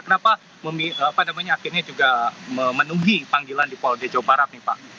kenapa akhirnya juga memenuhi panggilan di polda jawa barat nih pak